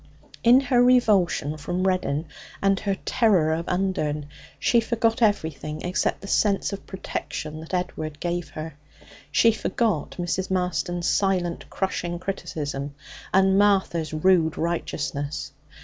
In her revulsion from Reddin and her terror of Undern, she forgot everything except the sense of protection that Edward gave her. She forgot Mrs. Marston's silent, crushing criticism and Martha's rude righteousness.